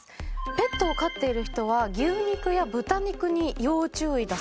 ペットを飼っている人は牛肉や豚肉に要注意だそうです。